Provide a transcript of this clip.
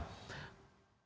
kemungkinan bisa akan jalan